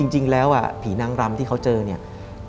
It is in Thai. จริงแล้วผีนางรำที่เขาเจอเนี่ย